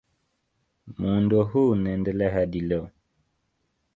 Muundo huu unaendelea hadi leo.